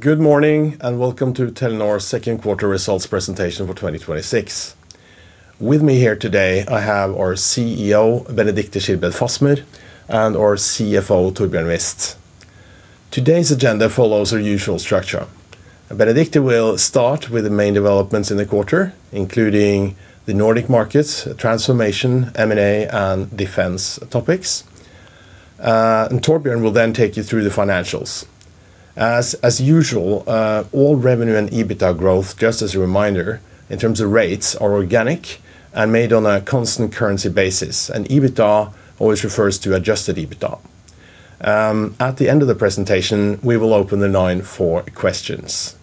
Good morning, and welcome to Telenor's Second Quarter ResultsPresentation for 2026. With me here today, I have our CEO, Benedicte Schilbred Fasmer, and our CFO, Torbjørn Wist. Today's agenda follows our usual structure. Benedicte will start with the main developments in the quarter, including the Nordic markets, transformation, M&A, and defense topics. Torbjørn will then take you through the financials. As usual, all revenue and EBITDA growth, just as a reminder, in terms of rates, are organic and made on a constant currency basis, and EBITDA always refers to adjusted EBITDA. At the end of the presentation, we will open the line for questions.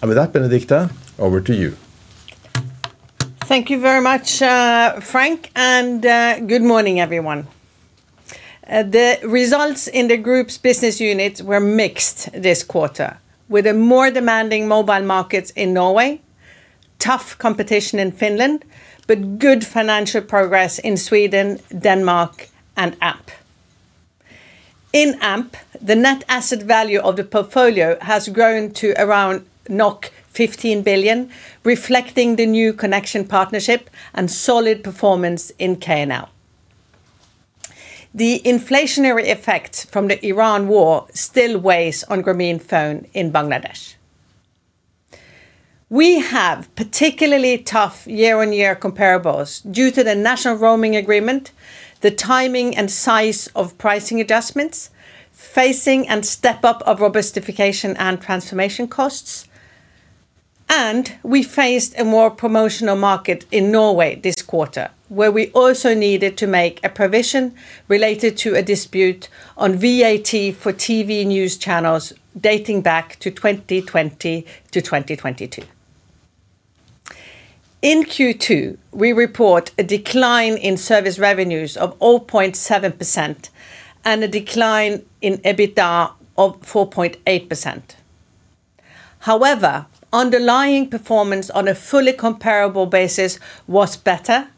With that, Benedicte, over to you. Thank you very much, Frank, and good morning, everyone. The results in the group's business units were mixed this quarter, with more demanding mobile markets in Norway, tough competition in Finland, but good financial progress in Sweden, Denmark, and Amp. In Amp, the net asset value of the portfolio has grown to around 15 billion, reflecting the new connection partnership and solid performance in KNL. The inflationary effect from the Iran war still weighs on Grameenphone in Bangladesh. We have particularly tough year-on-year comparables due to the National Roaming Agreement, the timing and size of pricing adjustments, facing and step-up of robustification and transformation costs, and we faced a more promotional market in Norway this quarter, where we also needed to make a provision related to a dispute on VAT for TV news channels dating back to 2020 to 2022. In Q2, we report a decline in service revenues of 0.7% and a decline in EBITDA of 4.8%. However, underlying performance on a fully comparable basis was better,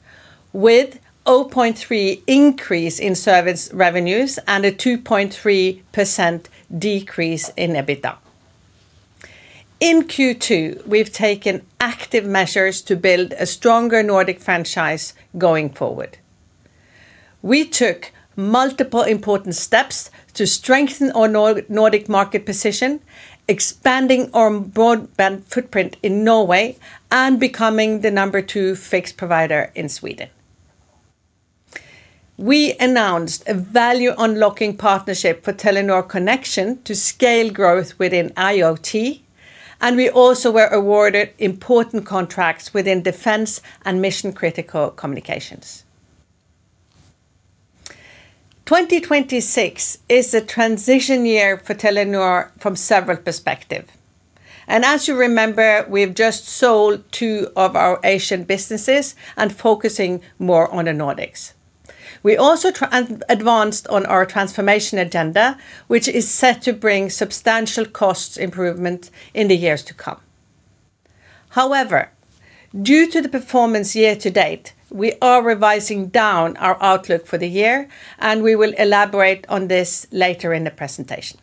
with 0.3% increase in service revenues and a 2.3% decrease in EBITDA. In Q2, we've taken active measures to build a stronger Nordic franchise going forward. We took multiple important steps to strengthen our Nordic market position, expanding our broadband footprint in Norway, and becoming the number two fixed provider in Sweden. We announced a value-unlocking partnership for Telenor Connexion to scale growth within IoT, and we also were awarded important contracts within defense and mission-critical communications. 2026 is a transition year for Telenor from several perspectives. As you remember, we've just sold two of our Asian businesses and focusing more on the Nordics. We also advanced on our transformation agenda, which is set to bring substantial cost improvement in the years to come. However, due to the performance year to date, we are revising down our outlook for the year, and we will elaborate on this later in the presentation.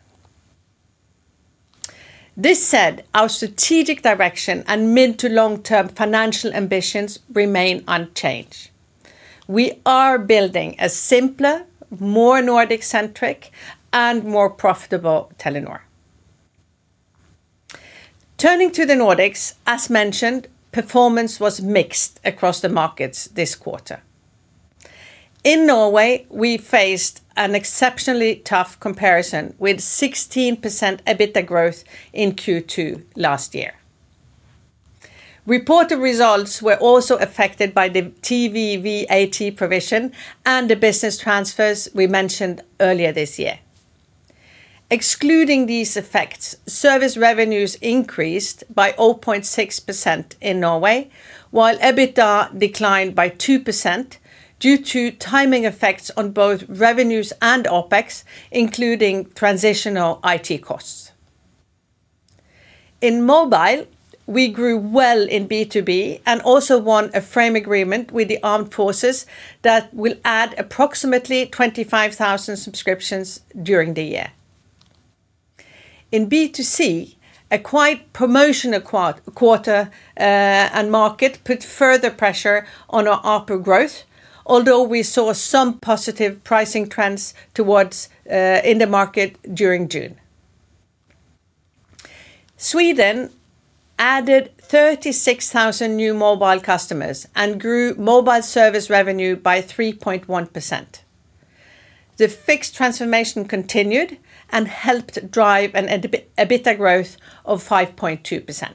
This said, our strategic direction and mid to long-term financial ambitions remain unchanged. We are building a simpler, more Nordic-centric, and more profitable Telenor. Turning to the Nordics, as mentioned, performance was mixed across the markets this quarter. In Norway, we faced an exceptionally tough comparison with 16% EBITDA growth in Q2 last year. Reported results were also affected by the TV VAT provision and the business transfers we mentioned earlier this year. Excluding these effects, service revenues increased by 0.6% in Norway, while EBITDA declined by 2% due to timing effects on both revenues and OpEx, including transitional IT costs. In mobile, we grew well in B2B and also won a frame agreement with the armed forces that will add approximately 25,000 subscriptions during the year. In B2C, a quiet promotional quarter and market put further pressure on our output growth, although we saw some positive pricing trends in the market during June. Sweden added 36,000 new mobile customers and grew mobile service revenue by 3.1%. The fixed transformation continued and helped drive an EBITDA growth of 5.2%.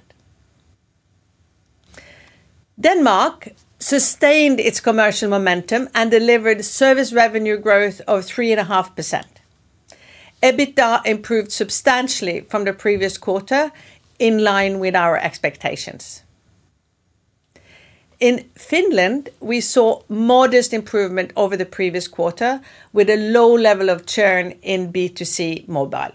Denmark sustained its commercial momentum and delivered service revenue growth of 3.5%. EBITDA improved substantially from the previous quarter, in line with our expectations. In Finland, we saw modest improvement over the previous quarter with a low level of churn in B2C mobile.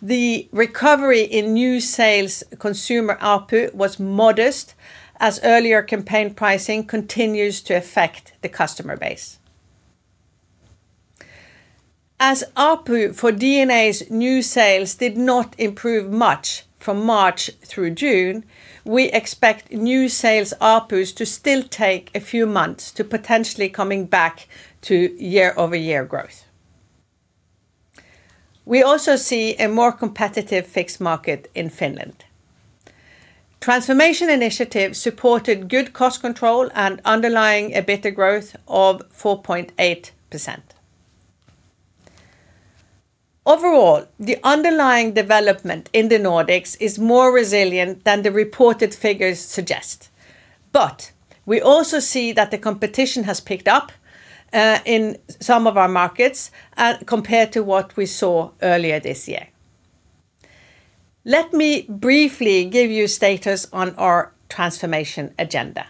The recovery in new sales consumer output was modest as earlier campaign pricing continues to affect the customer base. ARPU for DNA's new sales did not improve much from March through June, we expect new sales ARPUs to still take a few months to potentially coming back to year-over-year growth. We also see a more competitive fixed market in Finland. Transformation initiatives supported good cost control and underlying a better growth of 4.8%. Overall, the underlying development in the Nordics is more resilient than the reported figures suggest. We also see that the competition has picked up in some of our markets compared to what we saw earlier this year. Let me briefly give you status on our transformation agenda.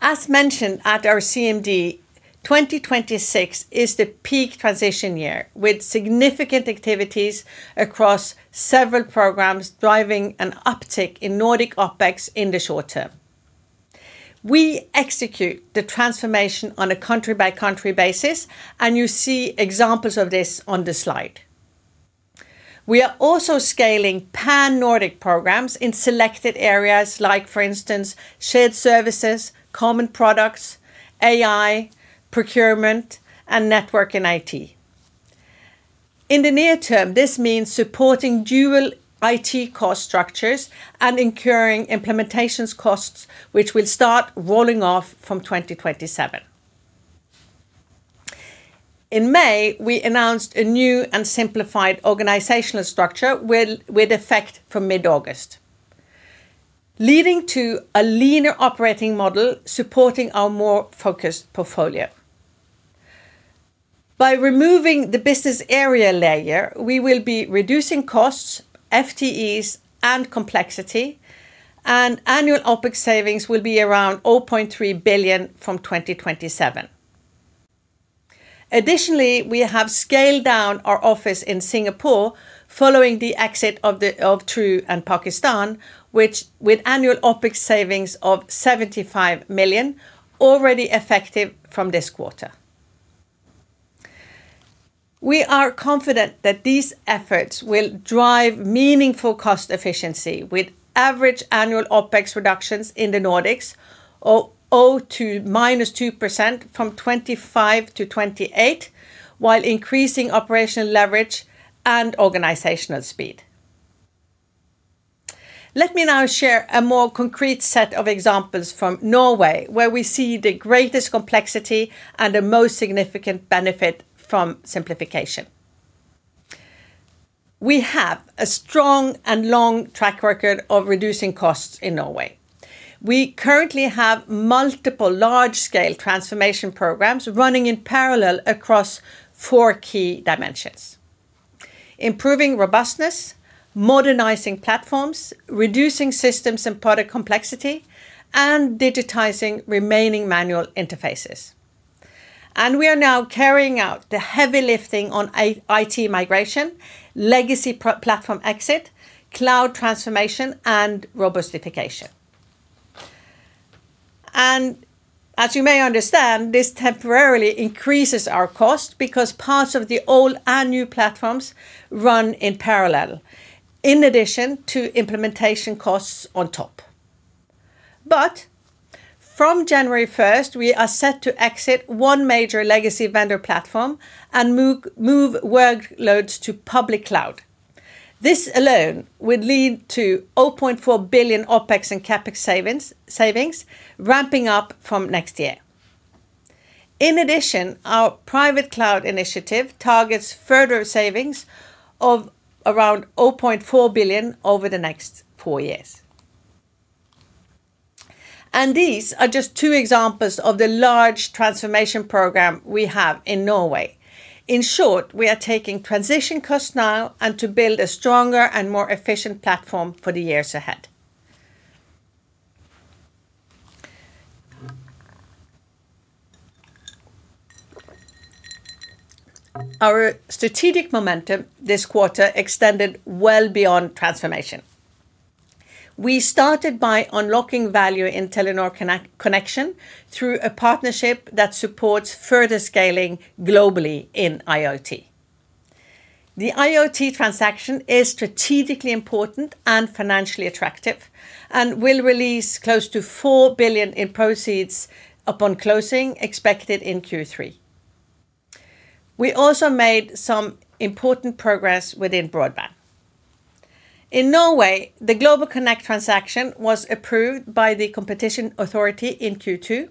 As mentioned at our CMD, 2026 is the peak transition year, with significant activities across several programs driving an uptick in Nordic OpEx in the short term. We execute the transformation on a country-by-country basis, and you see examples of this on the slide. We are also scaling pan-Nordic programs in selected areas like, for instance, shared services, common products, AI, procurement, and network and IT. In the near term, this means supporting dual IT cost structures and incurring implementations costs, which will start rolling off from 2027. In May, we announced a new and simplified organizational structure with effect from mid-August, leading to a leaner operating model supporting our more focused portfolio. By removing the business area layer, we will be reducing costs, FTEs, and complexity, and annual OpEx savings will be around 0.3 billion from 2027. Additionally, we have scaled down our office in Singapore following the exit of True and Pakistan, with annual OpEx savings of 75 million already effective from this quarter. We are confident that these efforts will drive meaningful cost efficiency with average annual OpEx reductions in the Nordics of -2% from 2025 to 2028, while increasing operational leverage and organizational speed. Let me now share a more concrete set of examples from Norway, where we see the greatest complexity and the most significant benefit from simplification. We have a strong and long track record of reducing costs in Norway. We currently have multiple large-scale transformation programs running in parallel across four key dimensions: improving robustness, modernizing platforms, reducing systems and product complexity, and digitizing remaining manual interfaces. We are now carrying out the heavy lifting on IT migration, legacy platform exit, cloud transformation, and robustification. As you may understand, this temporarily increases our cost because parts of the old and new platforms run in parallel, in addition to implementation costs on top. From January 1st, we are set to exit one major legacy vendor platform and move workloads to public cloud. This alone would lead to 0.4 billion OpEx and CapEx savings ramping up from next year. In addition, our private cloud initiative targets further savings of around 0.4 billion over the next four years. These are just two examples of the large transformation program we have in Norway. In short, we are taking transition costs now and to build a stronger and more efficient platform for the years ahead. Our strategic momentum this quarter extended well beyond transformation. We started by unlocking value in Telenor Connexion through a partnership that supports further scaling globally in IoT. The IoT transaction is strategically important and financially attractive and will release close to 4 billion in proceeds upon closing expected in Q3. We also made some important progress within broadband. In Norway, the GlobalConnect transaction was approved by the competition authority in Q2.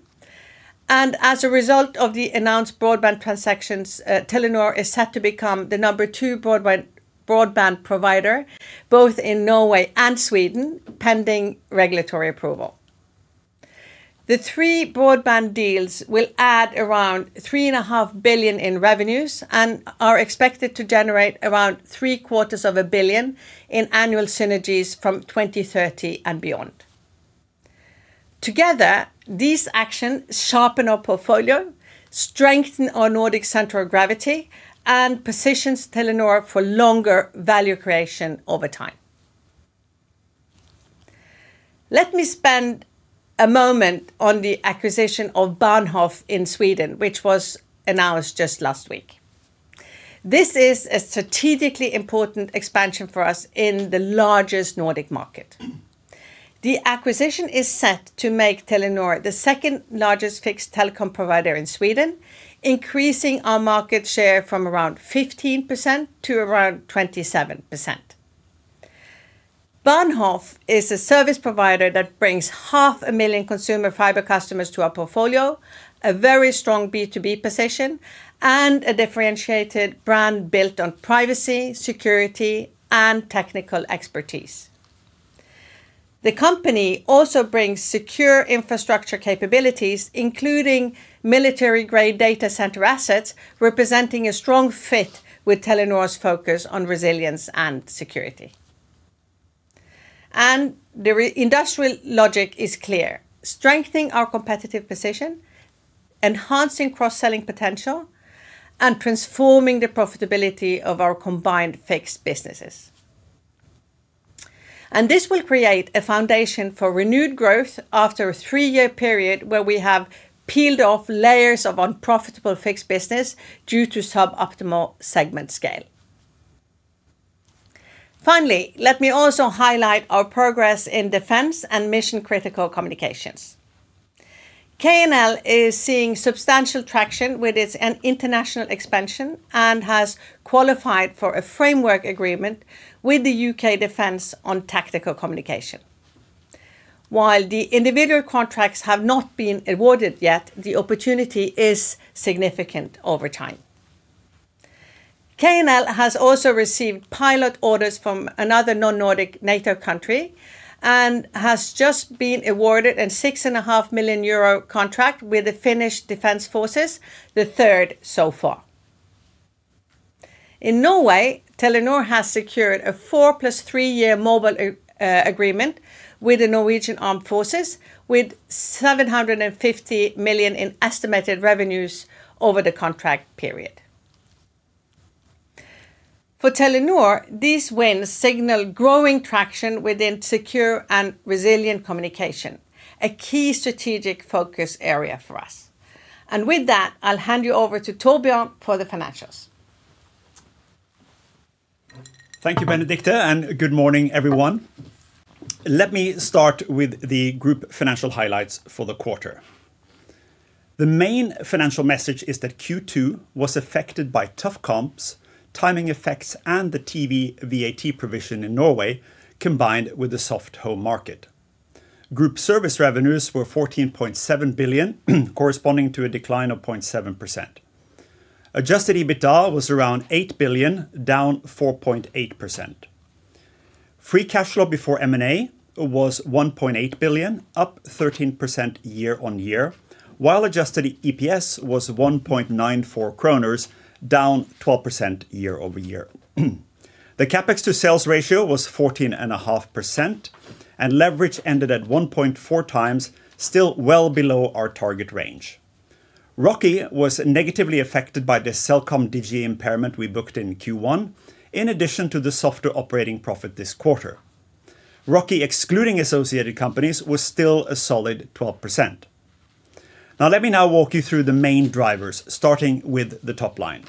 As a result of the announced broadband transactions, Telenor is set to become the number two broadband provider both in Norway and Sweden, pending regulatory approval. The three broadband deals will add around 3.5 billion in revenues and are expected to generate around 750 million in annual synergies from 2030 and beyond. Together, these actions sharpen our portfolio, strengthen our Nordic center of gravity, and positions Telenor for longer value creation over time. Let me spend a moment on the acquisition of Bahnhof in Sweden, which was announced just last week. This is a strategically important expansion for us in the largest Nordic market. The acquisition is set to make Telenor the second largest fixed telecom provider in Sweden, increasing our market share from around 15% to around 27%. Bahnhof is a service provider that brings 500,000 consumer fiber customers to our portfolio, a very strong B2B position, and a differentiated brand built on privacy, security, and technical expertise. The company also brings secure infrastructure capabilities, including military-grade data center assets, representing a strong fit with Telenor's focus on resilience and security. The industrial logic is clear: strengthening our competitive position, enhancing cross-selling potential, and transforming the profitability of our combined fixed businesses. This will create a foundation for renewed growth after a three-year period where we have peeled off layers of unprofitable fixed business due to suboptimal segment scale. Finally, let me also highlight our progress in defense and mission-critical communications. KNL is seeing substantial traction with its international expansion and has qualified for a framework agreement with the U.K. Defense on tactical communication. While the individual contracts have not been awarded yet, the opportunity is significant over time. KNL has also received pilot orders from another non-Nordic NATO country and has just been awarded a 6.5 million euro contract with the Finnish Defence Forces, the third so far. In Norway, Telenor has secured a four plus three-year mobile agreement with the Norwegian Armed Forces, with 750 million in estimated revenues over the contract period. For Telenor, these wins signal growing traction within secure and resilient communication, a key strategic focus area for us. With that, I'll hand you over to Torbjørn for the financials. Thank you, Benedicte, and good morning, everyone. Let me start with the group financial highlights for the quarter. The main financial message is that Q2 was affected by tough comps, timing effects, and the TV VAT provision in Norway, combined with the soft home market. Group service revenues were 14.7 billion, corresponding to a decline of 0.7%. Adjusted EBITDA was around 8 billion, down 4.8%. Free cash flow before M&A was 1.8 billion, up 13% year-on-year, while adjusted EPS was 1.94 kroner, down 12% year-over-year. The CapEx to sales ratio was 14.5%, and leverage ended at 1.4x, still well below our target range. ROCE was negatively affected by the CelcomDigi impairment we booked in Q1, in addition to the softer operating profit this quarter. ROCE, excluding associated companies, was still a solid 12%. Let me now walk you through the main drivers, starting with the top line.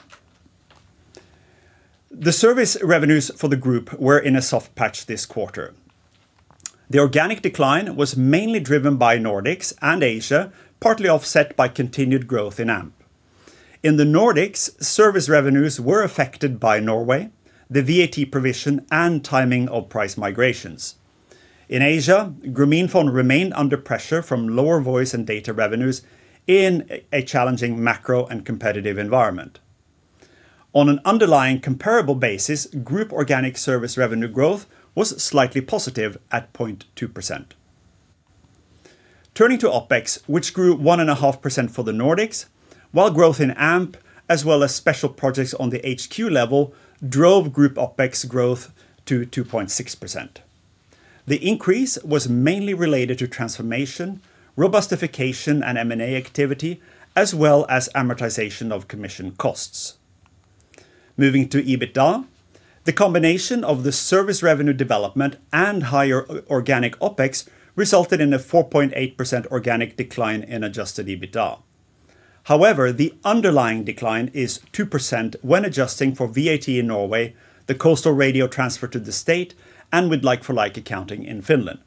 The service revenues for the group were in a soft patch this quarter. The organic decline was mainly driven by Nordics and Asia, partly offset by continued growth in Amp. In the Nordics, service revenues were affected by Norway, the VAT provision, and timing of price migrations. In Asia, Grameenphone remained under pressure from lower voice and data revenues in a challenging macro and competitive environment. On an underlying comparable basis, group organic service revenue growth was slightly positive at 0.2%. Turning to OpEx, which grew 1.5% for the Nordics, while growth in Amp, as well as special projects on the HQ level, drove group OpEx growth to 2.6%. The increase was mainly related to transformation, robustification, and M&A activity, as well as amortization of commission costs. Moving to EBITDA, the combination of the service revenue development and higher organic OpEx resulted in a 4.8% organic decline in adjusted EBITDA. However, the underlying decline is 2% when adjusting for VAT in Norway, the coastal radio transfer to the state, and with like-for-like accounting in Finland.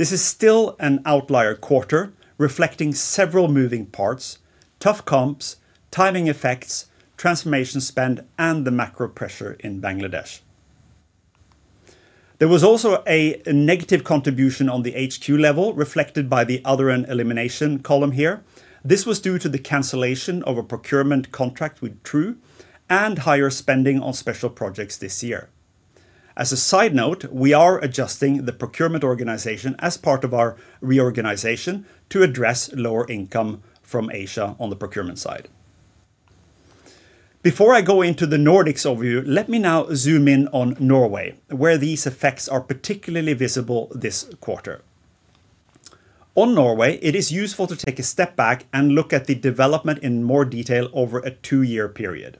This is still an outlier quarter, reflecting several moving parts, tough comps, timing effects, transformation spend, and the macro pressure in Bangladesh. There was also a negative contribution on the HQ level, reflected by the other and elimination column here. This was due to the cancelation of a procurement contract with True and higher spending on special projects this year. As a side note, we are adjusting the procurement organization as part of our reorganization to address lower income from Asia on the procurement side. Before I go into the Nordics overview, let me now zoom in on Norway, where these effects are particularly visible this quarter. On Norway, it is useful to take a step back and look at the development in more detail over a two-year period.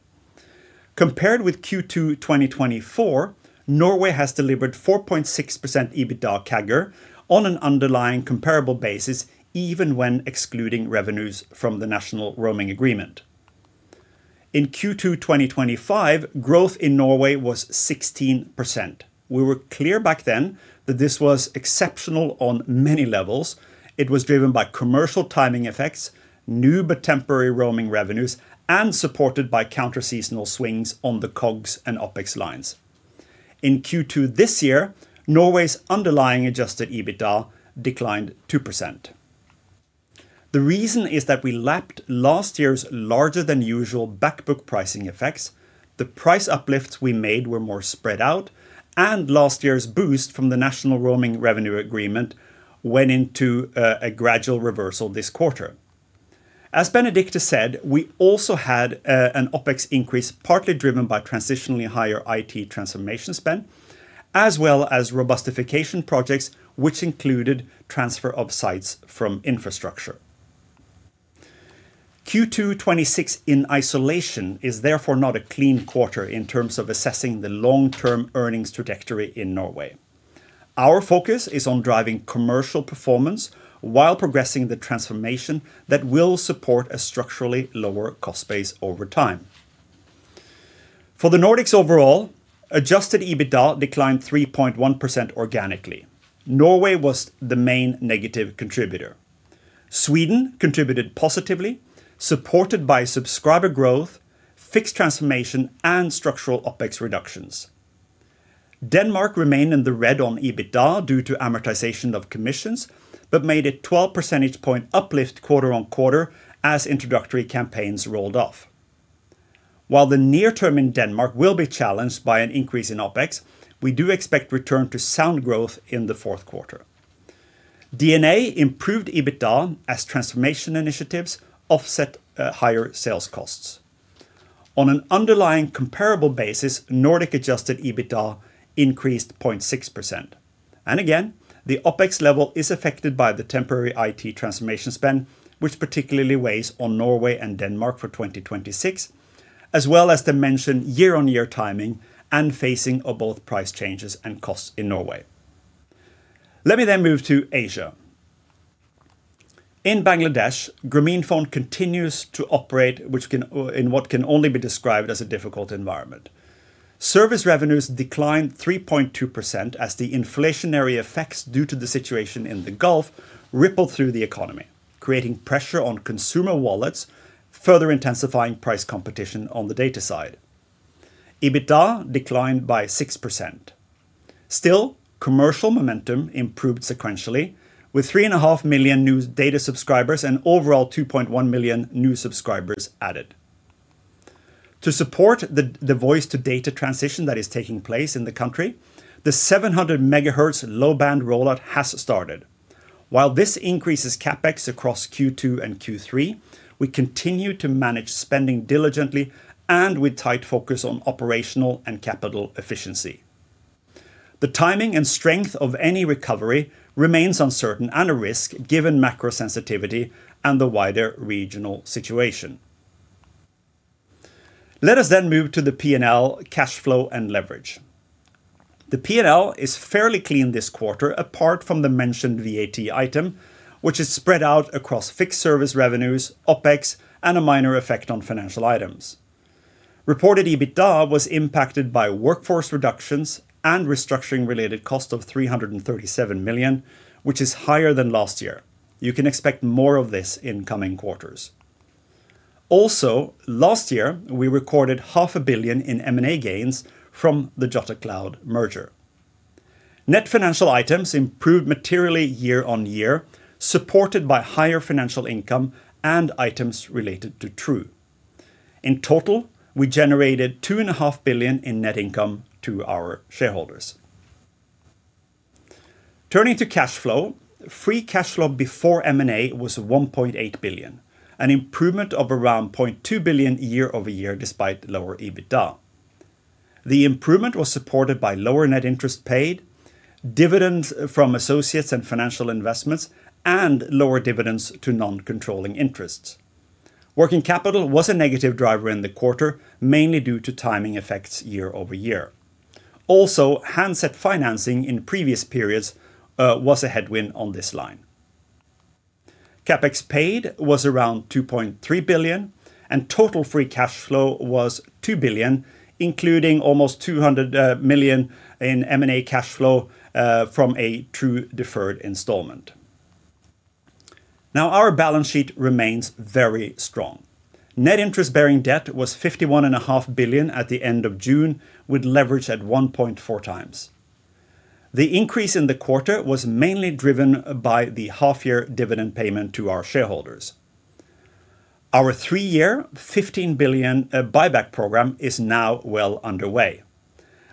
Compared with Q2 2024, Norway has delivered 4.6% EBITDA CAGR on an underlying comparable basis, even when excluding revenues from the National Roaming Agreement. In Q2 2025, growth in Norway was 16%. We were clear back then that this was exceptional on many levels. It was driven by commercial timing effects, new but temporary roaming revenues, and supported by counter seasonal swings on the COGS and OpEx lines. In Q2 this year, Norway's underlying adjusted EBITDA declined 2%. The reason is that we lapped last year's larger than usual back book pricing effects. The price uplifts we made were more spread out, and last year's boost from the National Roaming Agreement revenue went into a gradual reversal this quarter. As Benedicte said, we also had an OpEx increase, partly driven by transitionally higher IT transformation spend, as well as robustification projects, which included transfer of sites from infrastructure. Q2 2026 in isolation is therefore not a clean quarter in terms of assessing the long-term earnings trajectory in Norway. Our focus is on driving commercial performance while progressing the transformation that will support a structurally lower cost base over time. For the Nordics overall, adjusted EBITDA declined 3.1% organically. Norway was the main negative contributor. Sweden contributed positively, supported by subscriber growth, fixed transformation, and structural OpEx reductions. Denmark remained in the red on EBITDA due to amortization of commissions, but made a 12 percentage point uplift quarter-on-quarter as introductory campaigns rolled off. While the near term in Denmark will be challenged by an increase in OpEx, we do expect return to sound growth in the fourth quarter. DNA improved EBITDA as transformation initiatives offset higher sales costs. On an underlined comparable basis, Nordic adjusted EBITDA increased 0.6%. Again, the OpEx level is affected by the temporary IT transformation spend, which particularly weighs on Norway and Denmark for 2026, as well as the mentioned year-on-year timing and phasing of both price changes and costs in Norway. Let me move to Asia. In Bangladesh, Grameenphone continues to operate in what can only be described as a difficult environment. Service revenues declined 3.2% as the inflationary effects due to the situation in the Gulf rippled through the economy, creating pressure on consumer wallets, further intensifying price competition on the data side. EBITDA declined by 6%. Still, commercial momentum improved sequentially, with 3.5 million new data subscribers and overall 2.1 million new subscribers added. To support the voice to data transition that is taking place in the country, the 700 MHz low band rollout has started. While this increases CapEx across Q2 and Q3, we continue to manage spending diligently and with tight focus on operational and capital efficiency. The timing and strength of any recovery remains uncertain and a risk given macro sensitivity and the wider regional situation. Let us move to the P&L cash flow and leverage. The P&L is fairly clean this quarter, apart from the mentioned VAT item, which is spread out across fixed service revenues, OpEx, and a minor effect on financial items. Reported EBITDA was impacted by workforce reductions and restructuring related cost of 337 million, which is higher than last year. You can expect more of this in coming quarters. Last year, we recorded 500,000 in M&A gains from the Jottacloud merger. Net financial items improved materially year-on-year, supported by higher financial income and items related to True Corporation. In total, we generated 2.5 billion in net income to our shareholders. Turning to cash flow, free cash flow before M&A was 1.8 billion, an improvement of around 0.2 billion year-over-year despite lower EBITDA. The improvement was supported by lower net interest paid, dividends from associates and financial investments, and lower dividends to non-controlling interests. Working capital was a negative driver in the quarter, mainly due to timing effects year-over-year. Also, handset financing in previous periods was a headwind on this line. CapEx paid was around 2.3 billion, and total free cash flow was 2 billion, including almost 200 million in M&A cash flow from a True deferred installment. Our balance sheet remains very strong. Net interest-bearing debt was 51.5 billion at the end of June, with leverage at 1.4x. The increase in the quarter was mainly driven by the half-year dividend payment to our shareholders. Our three-year 15 billion buyback program is now well underway.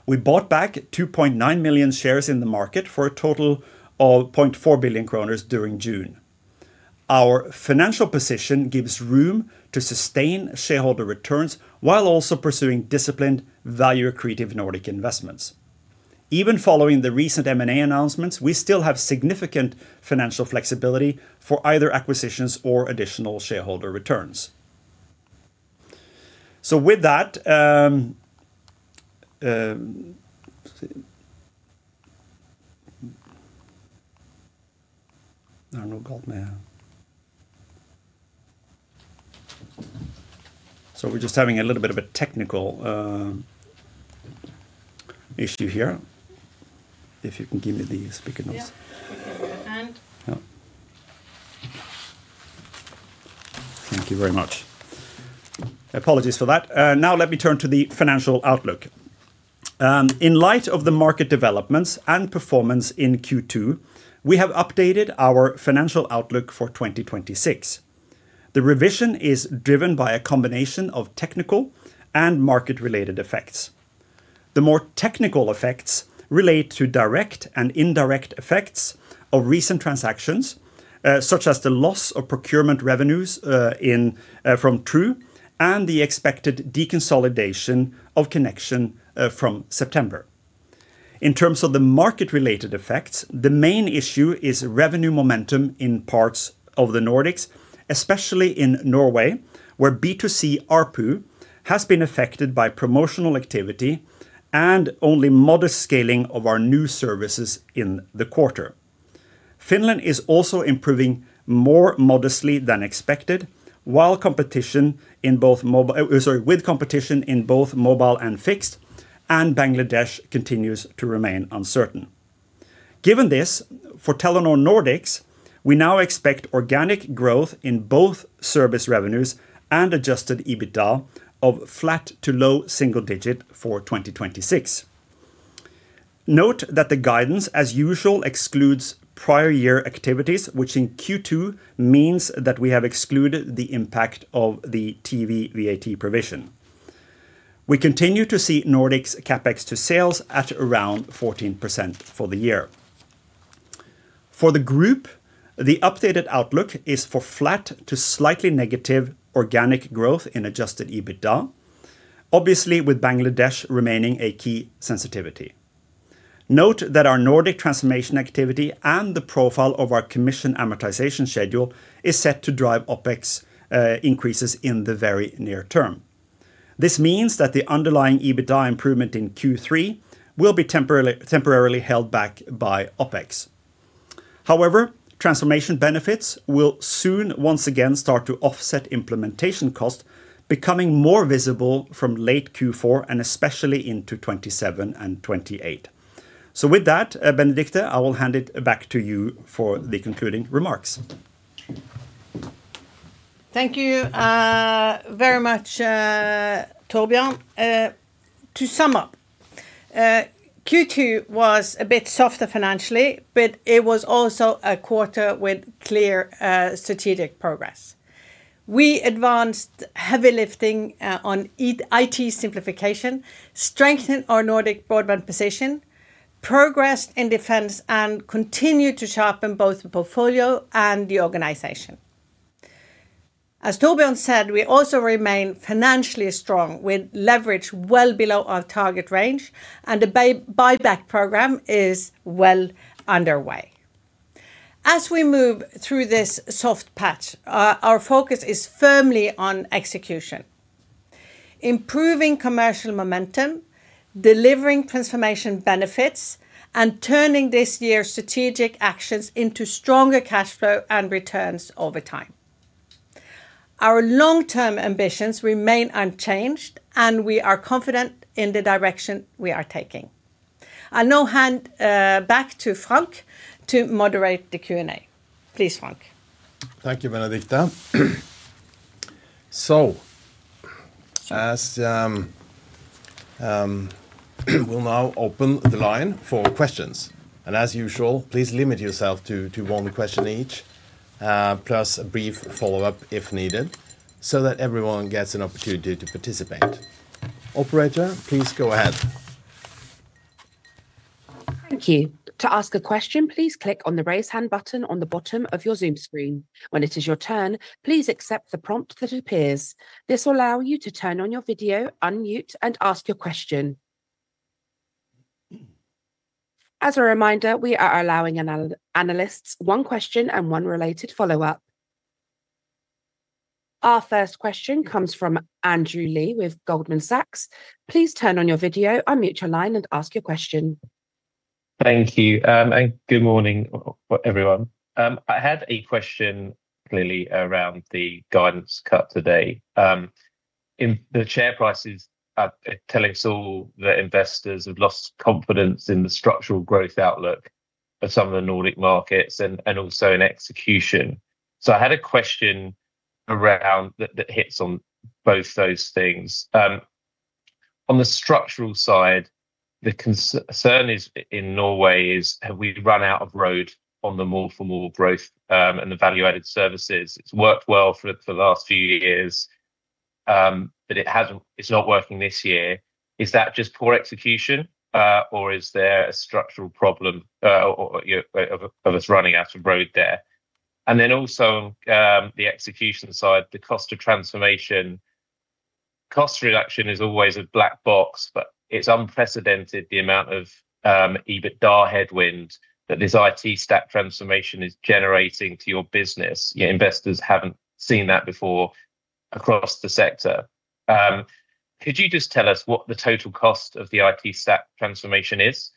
We bought back 2.9 million shares in the market for a total of 0.4 billion kroner during June. Our financial position gives room to sustain shareholder returns while also pursuing disciplined value-accretive Nordic investments. Even following the recent M&A announcements, we still have significant financial flexibility for either acquisitions or additional shareholder returns. With that, let's see. No. We're just having a little bit of a technical issue here. If you can give me the speaker notes. Yeah. Yeah. Thank you very much. Apologies for that. Let me turn to the financial outlook. In light of the market developments and performance in Q2, we have updated our financial outlook for 2026. The revision is driven by a combination of technical and market-related effects. The more technical effects relate to direct and indirect effects of recent transactions, such as the loss of procurement revenues from True and the expected deconsolidation of Telenor Connexion from September. In terms of the market-related effects, the main issue is revenue momentum in parts of the Nordics, especially in Norway, where B2C ARPU has been affected by promotional activity and only modest scaling of our new services in the quarter. Finland is also improving more modestly than expected with competition in both mobile and fixed, and Bangladesh continues to remain uncertain. Given this, for Telenor Nordics, we now expect organic growth in both service revenues and adjusted EBITDA of flat to low single digit for 2026. Note that the guidance, as usual, excludes prior year activities, which in Q2 means that we have excluded the impact of the TV VAT provision. We continue to see Nordics CapEx to sales at around 14% for the year. For the group, the updated outlook is for flat to slightly negative organic growth in adjusted EBITDA, obviously with Bangladesh remaining a key sensitivity. Note that our Nordic transformation activity and the profile of our commission amortization schedule is set to drive OpEx increases in the very near term. This means that the underlying EBITDA improvement in Q3 will be temporarily held back by OpEx. Transformation benefits will soon once again start to offset implementation cost, becoming more visible from late Q4 and especially into 2027 and 2028. With that, Benedicte, I will hand it back to you for the concluding remarks. Thank you very much, Torbjørn. To sum up, Q2 was a bit softer financially, it was also a quarter with clear strategic progress. We advanced heavy lifting on IT simplification, strengthened our Nordic broadband position, progressed in defense, and continued to sharpen both the portfolio and the organization. As Torbjørn said, we also remain financially strong with leverage well below our target range, the buyback program is well underway. As we move through this soft patch, our focus is firmly on execution, improving commercial momentum, delivering transformation benefits, and turning this year's strategic actions into stronger cash flow and returns over time. Our long-term ambitions remain unchanged, we are confident in the direction we are taking. I now hand back to Frank to moderate the Q&A. Please, Frank. Thank you, Benedicte. We'll now open the line for questions. As usual, please limit yourself to one question each, plus a brief follow-up if needed, so that everyone gets an opportunity to participate. Operator, please go ahead. Thank you. To ask a question, please click on the raise hand button on the bottom of your Zoom screen. When it is your turn, please accept the prompt that appears. This will allow you to turn on your video, unmute, and ask your question. As a reminder, we are allowing analysts one question and one related follow-up. Our first question comes from Andrew Lee with Goldman Sachs. Please turn on your video, unmute your line, and ask your question. Thank you. Good morning, everyone. I had a question clearly around the guidance cut today. The share prices are telling us all that investors have lost confidence in the structural growth outlook for some of the Nordic markets and also in execution. I had a question that hits on both those things. On the structural side, the concern in Norway is have we run out of road on the More for More growth and the value-added services? It's worked well for the last few years. It's not working this year. Is that just poor execution, or is there a structural problem of us running out of road there? Also, the execution side, the cost of transformation. Cost reduction is always a black box, but it's unprecedented the amount of EBITDA headwind that this IT stack transformation is generating to your business. Your investors haven't seen that before across the sector. Could you just tell us what the total cost of the IT stack transformation is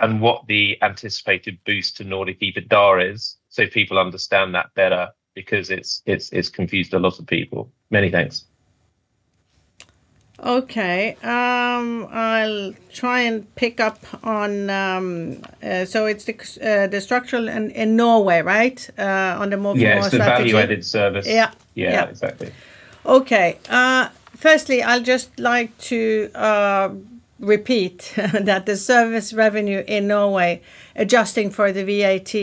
and what the anticipated boost to Nordic EBITDA is so people understand that better? Because it's confused a lot of people. Many thanks. Okay. I'll try and pick up. It's the structural in Norway, right? On the More for More strategy. Yes. The value-added service. Yeah. Yeah, exactly. Okay. Firstly, I'd just like to repeat that the service revenue in Norway, adjusting for the VAT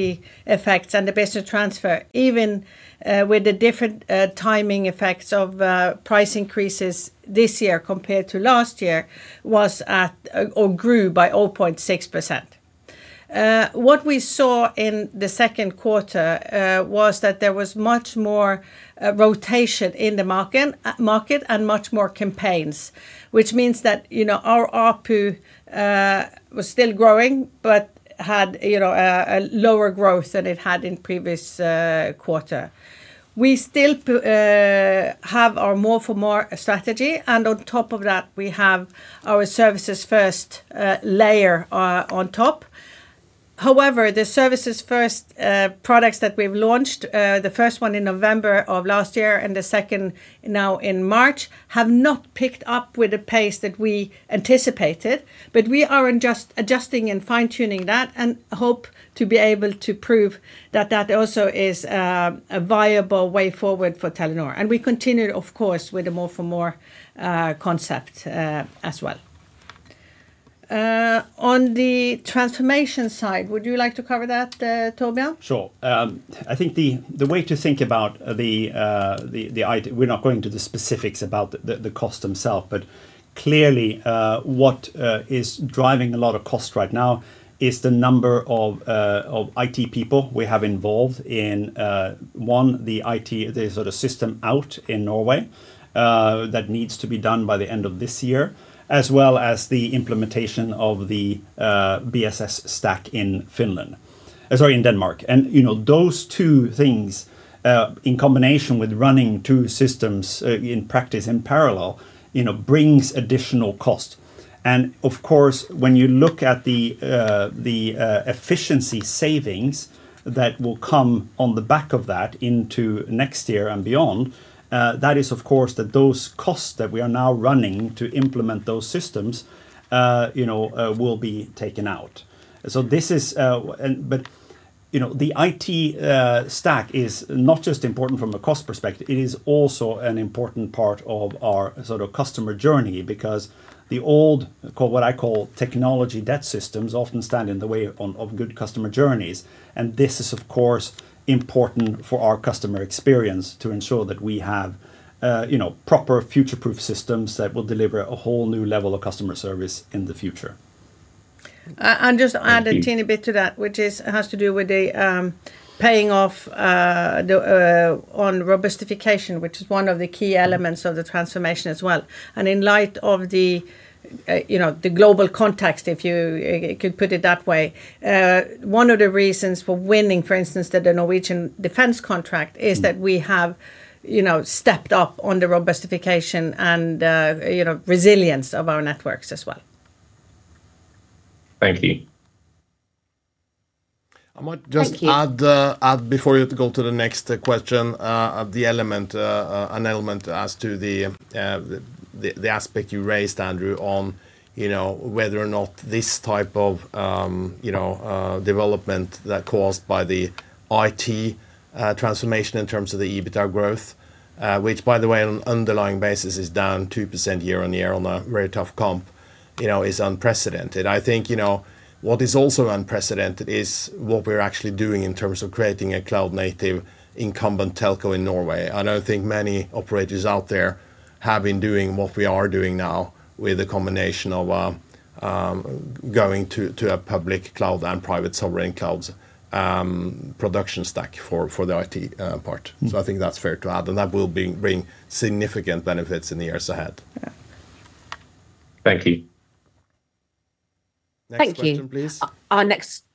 effects and the business transfer, even with the different timing effects of price increases this year compared to last year, grew by 0.6%. What we saw in the second quarter was that there was much more rotation in the market and much more campaigns, which means that our ARPU was still growing but had a lower growth than it had in the previous quarter. We still have our More for More strategy, and on top of that, we have our Services First layer on top. However, the Services First products that we've launched, the first one in November of last year and the second now in March, have not picked up with the pace that we anticipated. We are adjusting and fine-tuning that and hope to be able to prove that that also is a viable way forward for Telenor. We continue, of course, with the More for More concept as well. On the transformation side, would you like to cover that, Torbjørn? Sure. I think the way to think about the item, we're not going into the specifics about the cost themselves, but clearly what is driving a lot of cost right now is the number of IT people we have involved in, one, the IT system out in Norway that needs to be done by the end of this year, as well as the implementation of the BSS stack in Denmark. Those two things, in combination with running two systems in practice in parallel, brings additional cost. Of course, when you look at the efficiency savings that will come on the back of that into next year and beyond, that is, of course, that those costs that we are now running to implement those systems will be taken out. The IT stack is not just important from a cost perspective. It is also an important part of our customer journey because the old, what I call technology debt systems, often stand in the way of good customer journeys. This is, of course, important for our customer experience to ensure that we have proper future-proof systems that will deliver a whole new level of customer service in the future. I'll just add a teeny bit to that, which has to do with the paying off on robustification, which is one of the key elements of the transformation as well. In light of the global context, if you could put it that way, one of the reasons for winning, for instance, the Norwegian defense contract is that we have stepped up on the robustification and resilience of our networks as well. Thank you. I might just add- Thank you.... before you go to the next question, an element as to the aspect you raised, Andrew, on whether or not this type of development that caused by the IT transformation in terms of the EBITDA growth, which by the way, on an underlying basis is down 2% year-over-year on a very tough comp, is unprecedented. I think what is also unprecedented is what we're actually doing in terms of creating a cloud-native incumbent telco in Norway. I don't think many operators out there have been doing what we are doing now with a combination of going to a public cloud and private sovereign clouds production stack for the IT part. I think that's fair to add, and that will bring significant benefits in the years ahead. Yeah. Thank you. Next question, please. Thank you. Our next question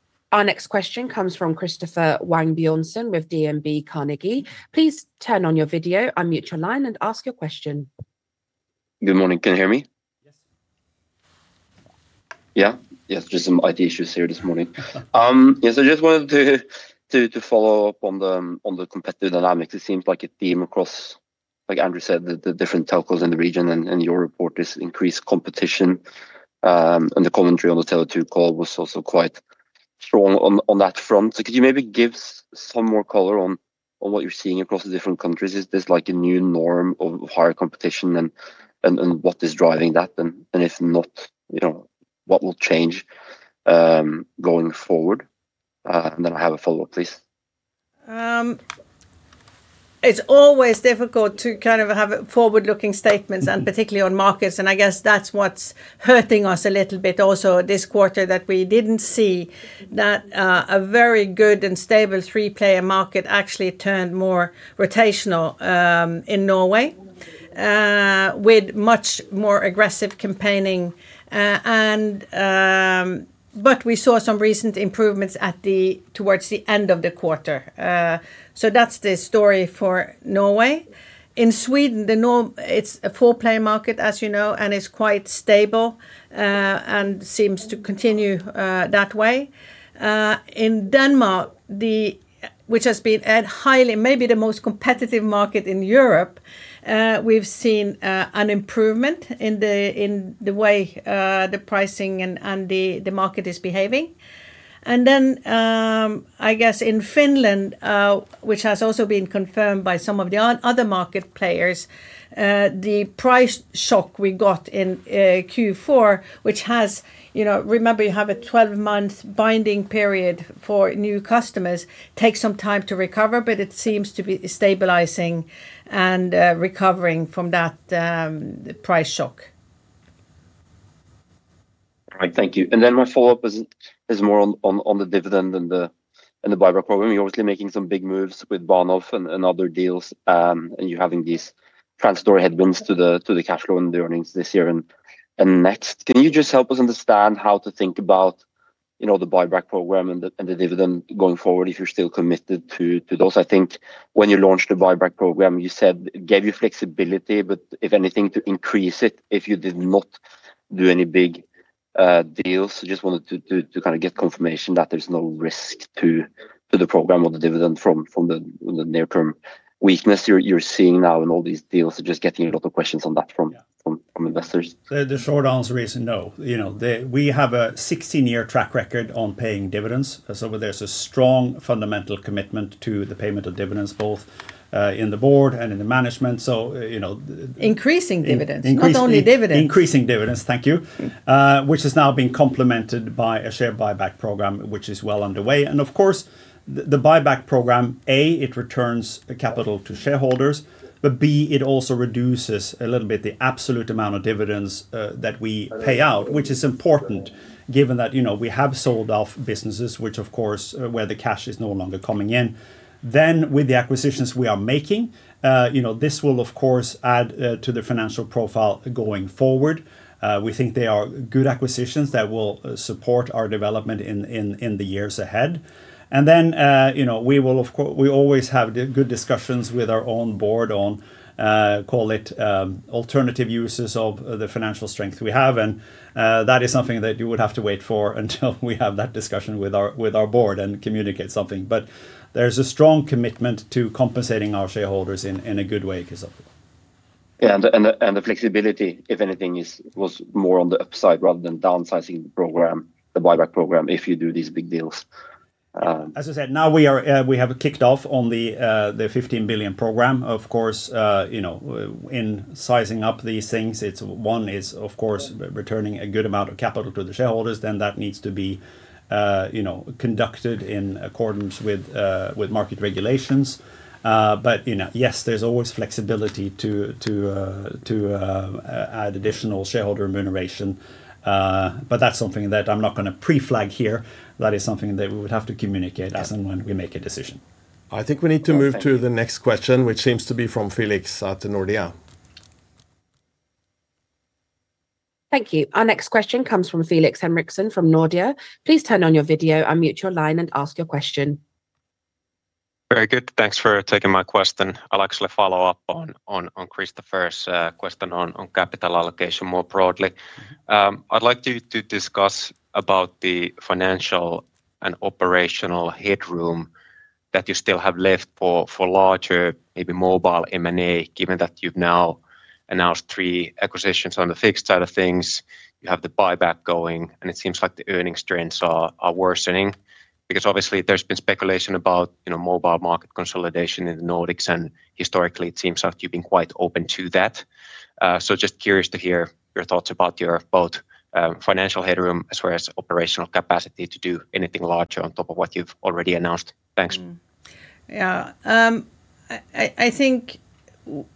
comes from Kristoffer Wang Bjørnås with DNB Carnegie. Please turn on your video, unmute your line, and ask your question. Good morning. Can you hear me? Yes. Yeah. Just some IT issues here this morning. Yes, I just wanted to follow up on the competitive dynamics. It seems like a theme across, like Andrew said, the different telcos in the region and your report is increased competition, and the commentary on the Tele2 call was also quite strong on that front. Could you maybe give some more color on what you're seeing across the different countries? Is this like a new norm of higher competition, and what is driving that? If not, what will change going forward? Then I have a follow-up, please. It's always difficult to have forward-looking statements, and particularly on markets. I guess that's what's hurting us a little bit also this quarter that we didn't see that a very good and stable three-player market actually turned more rotational in Norway with much more aggressive campaigning. We saw some recent improvements towards the end of the quarter. That's the story for Norway. In Sweden, it's a four-player market, as you know, and is quite stable and seems to continue that way. In Denmark, which has been at highly maybe the most competitive market in Europe, we've seen an improvement in the way the pricing and the market is behaving. I guess in Finland, which has also been confirmed by some of the other market players, the price shock we got in Q4, remember you have a 12-month binding period for new customers, takes some time to recover, but it seems to be stabilizing and recovering from that price shock. All right. Thank you. My follow-up is more on the dividend and the buyback program. You're obviously making some big moves with Bahnhof and other deals, and you're having these transitory headwinds to the cash flow and the earnings this year and next. Can you just help us understand how to think about the buyback program and the dividend going forward, if you're still committed to those? I think when you launched the buyback program, you said it gave you flexibility, but if anything, to increase it if you did not do any big deals. Just wanted to get confirmation that there's no risk to the program or the dividend from the near-term weakness you're seeing now and all these deals. Just getting a lot of questions on that from investors. The short answer is no. We have a 16-year track record on paying dividends. There's a strong fundamental commitment to the payment of dividends, both in the board and in the management. Increasing dividends, not only dividends. Increasing dividends, thank you, which has now been complemented by a share buyback program, which is well underway. Of course, the buyback program, A, it returns capital to shareholders, but B, it also reduces a little bit the absolute amount of dividends that we pay out, which, of course, where the cash is no longer coming in. With the acquisitions we are making, this will of course add to the financial profile going forward. We think they are good acquisitions that will support our development in the years ahead. Then, we always have good discussions with our own board on, call it, alternative uses of the financial strength we have, and that is something that you would have to wait for until we have that discussion with our board and communicate something. There's a strong commitment to compensating our shareholders in a good way, Kristoffer. Yeah. The flexibility, if anything, was more on the upside rather than downsizing the buyback program if you do these big deals. As I said, now we have kicked off on the 15 billion program. Of course, in sizing up these things, one is, of course, returning a good amount of capital to the shareholders, that needs to be conducted in accordance with market regulations. Yes, there's always flexibility to add additional shareholder remuneration. That's something that I'm not going to pre-flag here. That is something that we would have to communicate as and when we make a decision. I think we need to move to the next question, which seems to be from Felix at Nordea. Thank you. Our next question comes from Felix Henriksson from Nordea. Please turn on your video, unmute your line, and ask your question. Very good. Thanks for taking my question. I'll actually follow up on Kristoffer's question on capital allocation more broadly. I'd like you to discuss about the financial and operational headroom that you still have left for larger, maybe mobile M&A, given that you've now announced three acquisitions on the fixed side of things. You have the buyback going, and it seems like the earnings trends are worsening. Obviously, there's been speculation about mobile market consolidation in the Nordics, and historically it seems like you've been quite open to that. Just curious to hear your thoughts about your both financial headroom as well as operational capacity to do anything larger on top of what you've already announced. Thanks. Yeah. I think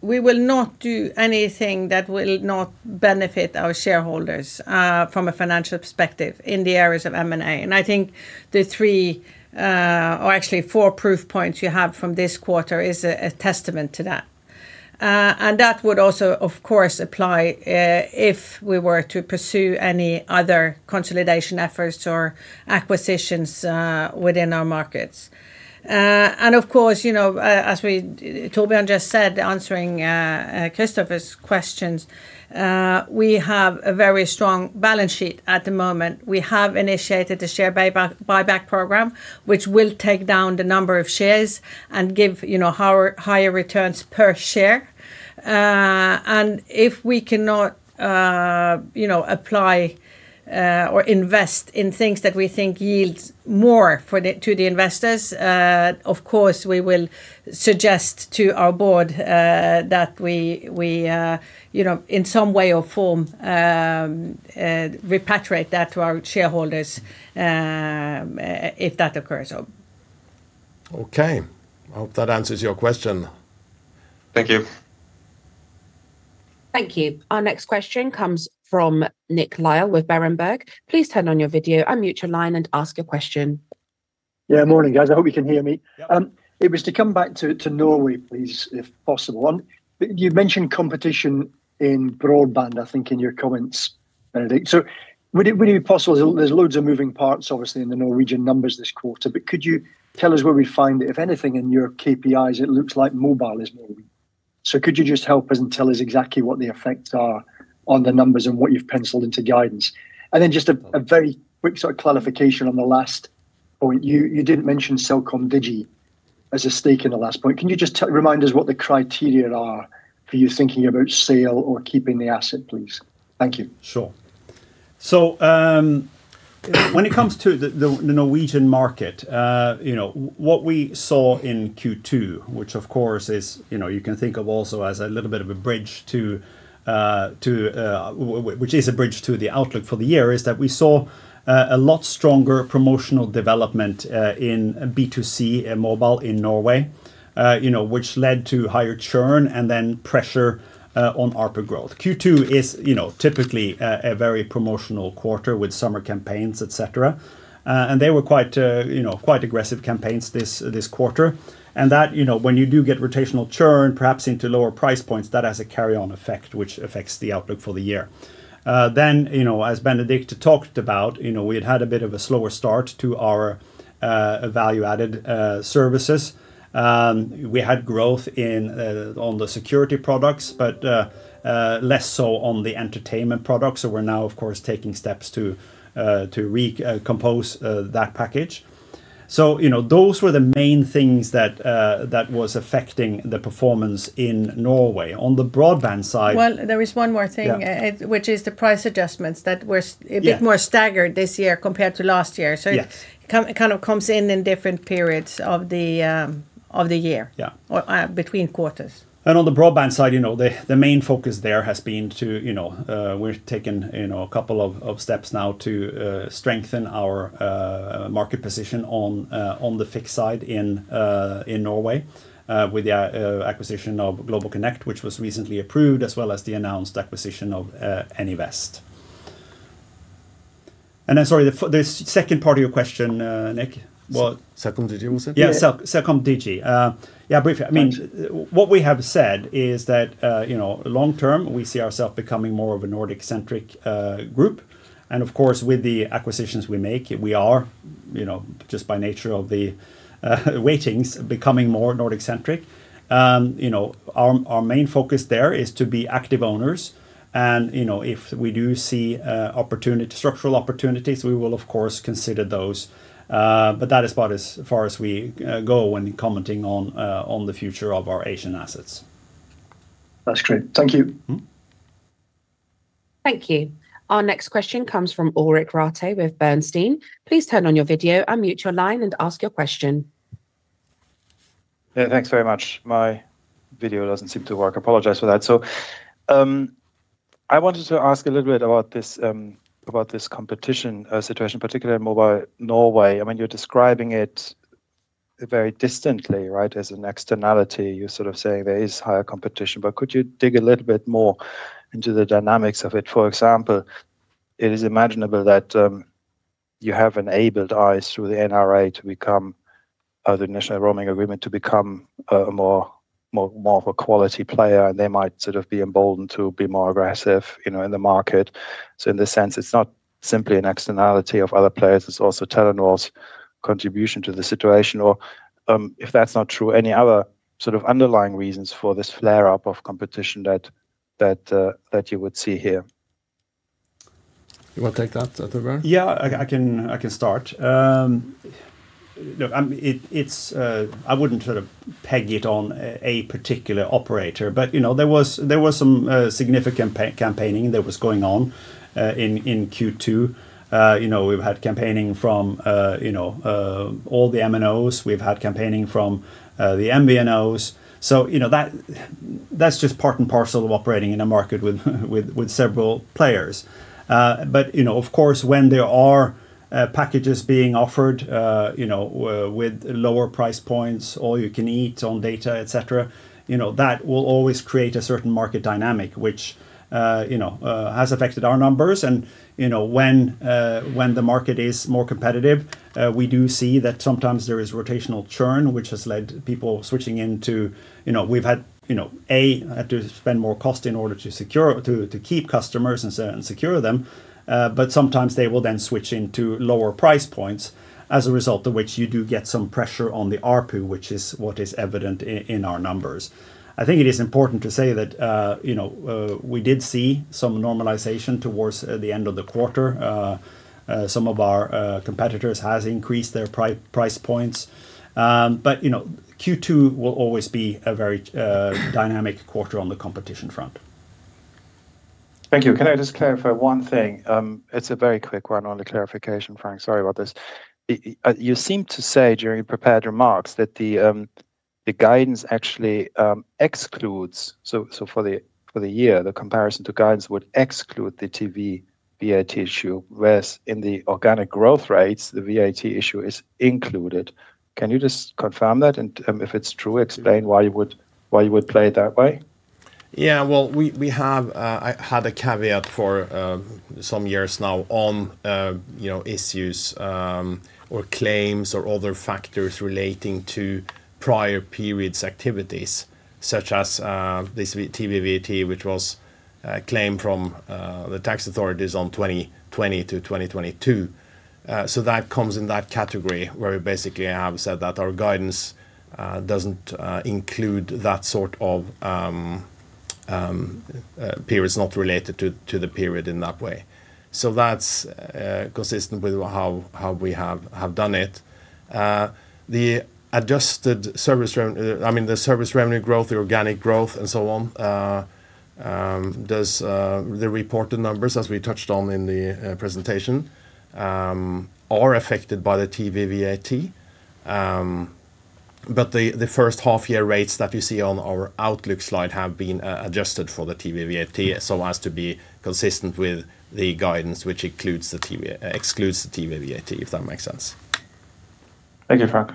we will not do anything that will not benefit our shareholders from a financial perspective in the areas of M&A. I think the three, or actually four proof points you have from this quarter is a testament to that. That would also, of course, apply if we were to pursue any other consolidation efforts or acquisitions within our markets. Of course, as Torbjørn just said, answering Kristoffer's questions, we have a very strong balance sheet at the moment. We have initiated the share buyback program, which will take down the number of shares and give higher returns per share. If we cannot apply or invest in things that we think yields more to the investors, of course, we will suggest to our board that we in some way or form repatriate that to our shareholders if that occurs. Okay. I hope that answers your question. Thank you. Thank you. Our next question comes from Nick Lyall with Berenberg. Please turn on your video, unmute your line, and ask your question. Yeah. Morning, guys. I hope you can hear me. Yeah. It was to come back to Norway, please, if possible. You mentioned competition in broadband, I think, in your comments, Benedicte. Would it be possible, there's loads of moving parts, obviously, in the Norwegian numbers this quarter. Could you tell us where we find, if anything, in your KPIs it looks like mobile is moving? Could you just help us and tell us exactly what the effects are on the numbers and what you've penciled into guidance? Just a very quick clarification on the last point. You did mention CelcomDigi as a stake in the last point. Can you just remind us what the criteria are for you thinking about sale or keeping the asset, please? Thank you. Sure. When it comes to the Norwegian market, what we saw in Q2, which of course you can think of also as a little bit of a bridge to the outlook for the year, is that we saw a lot stronger promotional development in B2C mobile in Norway which led to higher churn and pressure on ARPU growth. Q2 is typically a very promotional quarter with summer campaigns, etc. They were quite aggressive campaigns this quarter, and that when you do get rotational churn, perhaps into lower price points, that has a carry-on effect, which affects the outlook for the year. As Benedicte talked about, we had had a bit of a slower start to our value-added services. We had growth on the security products, but less so on the entertainment products. We're now, of course, taking steps to recompose that package. Those were the main things that was affecting the performance in Norway. On the broadband side- Well, there is one more thing. Yeah. Which is the price adjustments. Yeah. They were a bit more staggered this year compared to last year. Yeah. It kind of comes in in different periods of the year. Yeah. Between quarters. On the broadband side, the main focus there has been we've taken a couple of steps now to strengthen our market position on the fixed side in Norway with the acquisition of GlobalConnect, which was recently approved, as well as the announced acquisition of Enivest. Sorry, the second part of your question, Nick. CelcomDigi was it? Yeah. Yeah, CelcomDigi. Yeah, briefly. Thanks. What we have said is that, long term, we see ourself becoming more of a Nordic-centric group, and of course, with the acquisitions we make, we are just by nature of the weightings becoming more Nordic-centric. Our main focus there is to be active owners and, if we do see structural opportunities, we will of course consider those. That is about as far as we go when commenting on the future of our Asian assets. That's great. Thank you. Thank you. Our next question comes from Ulrich Rathe with Bernstein. Please turn on your video, unmute your line, and ask your question. Yeah. Thanks very much. My video doesn't seem to work. I apologize for that. I wanted to ask a little bit about this competition situation, particularly in mobile Norway. You're describing it very distantly, right, as an externality. You're sort of saying there is higher competition, could you dig a little bit more into the dynamics of it? For example, it is imaginable that you have enabled Ice through the NRA, the National Roaming Agreement, to become more of a quality player, and they might be emboldened to be more aggressive in the market. In this sense, it's not simply an externality of other players, it's also Telenor's contribution to the situation. If that's not true, any other sort of underlying reasons for this flare up of competition that you would see here. You want to take that, Torbjørn? Yeah. I can start. I wouldn't peg it on a particular operator, but there was some significant campaigning that was going on in Q2. We've had campaigning from all the MNOs. We've had campaigning from the MVNOs. That's just part and parcel of operating in a market with several players. Of course, when there are packages being offered with lower price points, all you can eat on data, etc, that will always create a certain market dynamic, which has affected our numbers. When the market is more competitive, we do see that sometimes there is rotational churn. We've had to spend more cost in order to keep customers and secure them. Sometimes they will then switch into lower price points, as a result of which you do get some pressure on the ARPU, which is what is evident in our numbers. I think it is important to say that we did see some normalization towards the end of the quarter. Some of our competitors has increased their price points. Q2 will always be a very dynamic quarter on the competition front. Thank you. Can I just clarify one thing? It's a very quick one on the clarification, Frank, sorry about this. You seemed to say during your prepared remarks that the guidance actually excludes, so for the year, the comparison to guidance would exclude the TV VAT issue, whereas in the organic growth rates, the VAT issue is included. Can you just confirm that? If it's true, explain why you would play it that way. Yeah. Well, we have had a caveat for some years now on issues or claims or other factors relating to prior periods activities, such as this TV VAT, which was a claim from the tax authorities on 2020-2022. That comes in that category where we basically have said that our guidance doesn't include that sort of periods not related to the period in that way. That's consistent with how we have done it. The service revenue growth, the organic growth, and so on, the reported numbers, as we touched on in the presentation, are affected by the TV VAT. The first half year rates that you see on our outlook slide have been adjusted for the TV VAT so as to be consistent with the guidance, which excludes the TV VAT, if that makes sense. Thank you, Frank.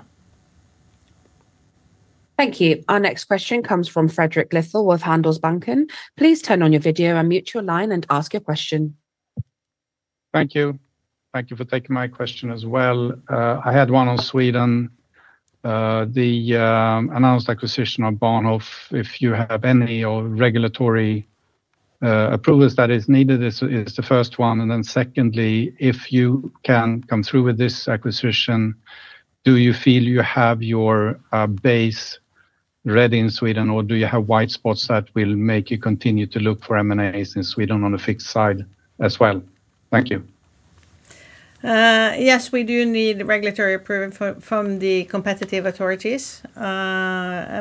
Thank you. Our next question comes from Fredrik Lithell with Handelsbanken. Please turn on your video, unmute your line, and ask your question. Thank you. Thank you for taking my question as well. I had one on Sweden. The announced acquisition of Bahnhof, if you have any regulatory approvals that is needed is the first one. Secondly, if you can come through with this acquisition, do you feel you have your base ready in Sweden, or do you have white spots that will make you continue to look for M&A since we don't want to fixed size as well? Thank you. Yes, we do need regulatory approval from the competitive authorities,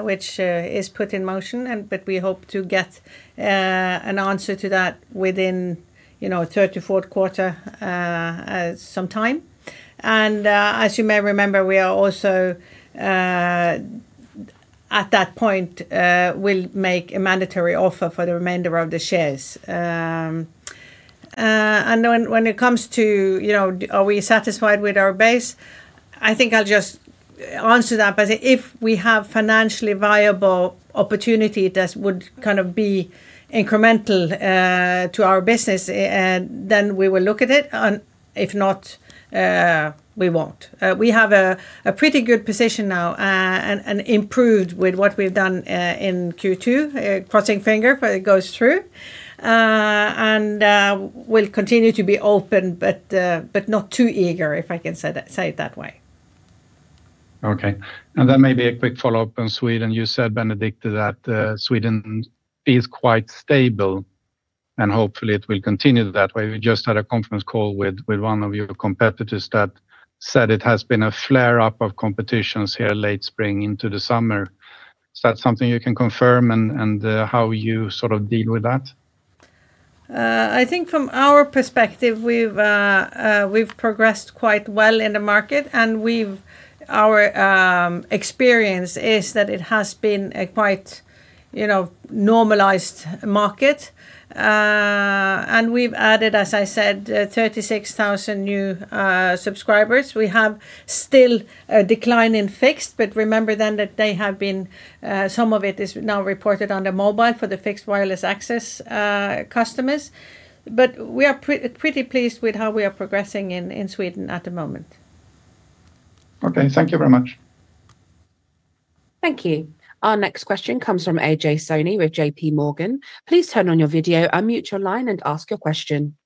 which is put in motion, but we hope to get an answer to that within third to fourth quarter, sometime. As you may remember, we are also at that point will make a mandatory offer for the remainder of the shares. When it comes to, are we satisfied with our base, I think I'll just answer that by saying if we have financially viable opportunity that would be incremental to our business, then we will look at it, and if not, we won't. We have a pretty good position now, and improved with what we've done in Q2. Crossing finger, but it goes through. We'll continue to be open, but not too eager, if I can say it that way. Okay. Then maybe a quick follow-up on Sweden. You said, Benedicte, that Sweden is quite stable, and hopefully it will continue that way. We just had a conference call with one of your competitors that said it has been a flare-up of competitions here late spring into the summer. Is that something you can confirm, and how you deal with that? I think from our perspective, we've progressed quite well in the market, and our experience is that it has been a quite normalized market. We've added, as I said, 36,000 new subscribers. We have still a decline in fixed, but remember then that some of it is now reported under mobile for the fixed wireless access customers. We are pretty pleased with how we are progressing in Sweden at the moment. Okay. Thank you very much. Thank you. Our next question comes from Ajay Soni with JPMorgan. Please turn on your video, unmute your line, and ask your question.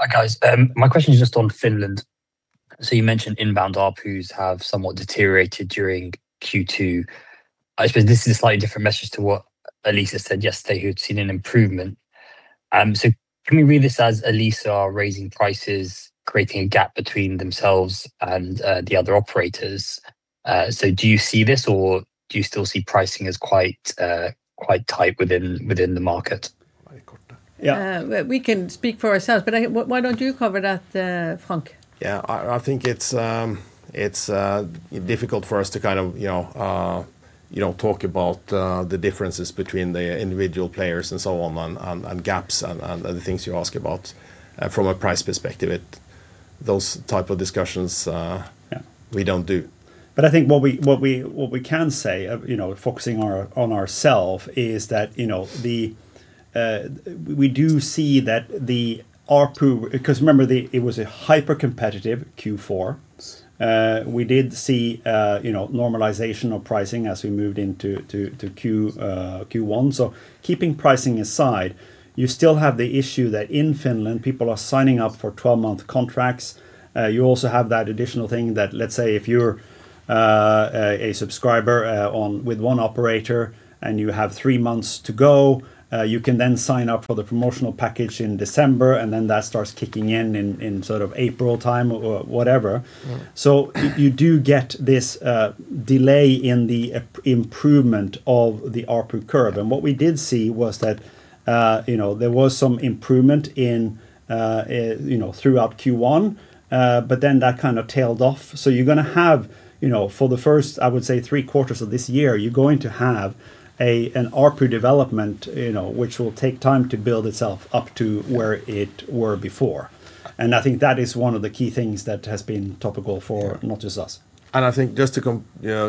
Hi, guys. My question is just on Finland. You mentioned inbound ARPUs have somewhat deteriorated during Q2. I suppose this is a slightly different message to what Elisa said yesterday, who had seen an improvement. Can we read this as Elisa are raising prices, creating a gap between themselves and the other operators? Do you see this, or do you still see pricing as quite tight within the market? Yeah. We can speak for ourselves, but why don't you cover that, Frank? Yeah. I think it's difficult for us to talk about the differences between the individual players and so on, and gaps, and the things you ask about from a price perspective. Those type of discussions we don't do. I think what we can say, focusing on ourselves is that we do see that the ARPU, because remember it was a hyper-competitive Q4. Yes. We did see normalization of pricing as we moved into Q1. Keeping pricing aside, you still have the issue that in Finland, people are signing up for 12-month contracts. You also have that additional thing that, let's say if you're a subscriber with one operator and you have three months to go, you can then sign up for the promotional package in December, and then that starts kicking in April time or whatever. You do get this delay in the improvement of the ARPU curve. What we did see was that there was some improvement throughout Q1, but then that tailed off. You're going to have for the first, I would say, three quarters of this year, you're going to have an ARPU development which will take time to build itself up to where it were before. I think that is one of the key things that has been topical for not just us. Yeah. I think just to